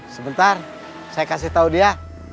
sebentar saya kasih tahu dia